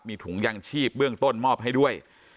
มีถุงยางชีพเบื้องต้นมอบให้ด้วย